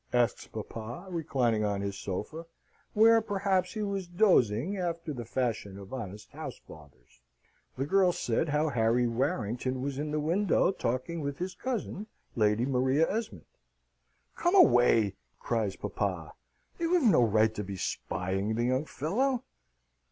asks papa, reclining on his sofa, where, perhaps, he was dozing after the fashion of honest house fathers. The girls said how Harry Warrington was in the window, talking with his cousin Lady Maria Esmond. "Come away!" cries papa. "You have no right to be spying the young fellow.